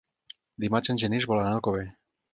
Dimarts en Genís vol anar a Alcover.